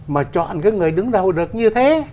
mà chọn cái người đứng đầu được như thế